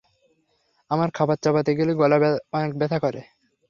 আমার খাবার চাবাতে গেলে গলা অনেক ব্যথা করে।